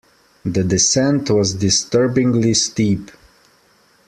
The descent was disturbingly steep.